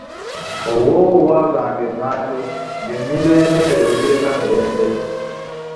Obuwoowo obw'ava nga emanju ng'ennyindo y'emmesse tebugireka mirembe!